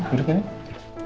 duduk dulu ya